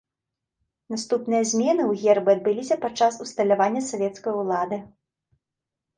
Наступныя змены ў гербы адбыліся пад час усталяванне савецкай улады.